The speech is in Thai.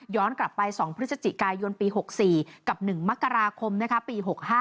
กลับไป๒พฤศจิกายนปี๖๔กับ๑มกราคมปี๖๕